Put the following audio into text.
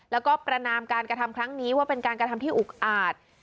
แล้วก็ประนามการกระทำครั้งนี้ว่าเป็นการกระทำที่อุกอาจ